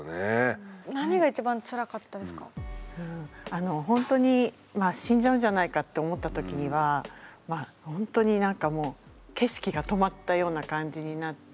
ほんとに死んじゃうんじゃないかって思った時にはまあほんとに何かもう景色が止まったような感じになって。